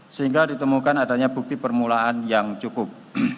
sehingga ditemukan adanya bukti permulaan yang cukup